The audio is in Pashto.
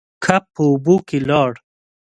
کب په اوبو کې لاړ.